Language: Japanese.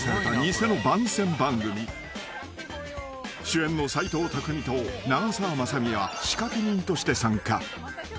［主演の斎藤工と長澤まさみは仕掛け人として参加］